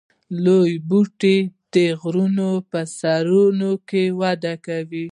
لوړ بوټي د غرونو په سرونو کې وده کوي